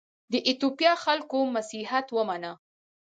د ایتوپیا خلکو مسیحیت ومانه.